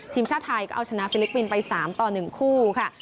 ทีมชาติไทยก็เอาชนะฟิลิปปินส์ไป๓ต่อ๑คู่ค่ะ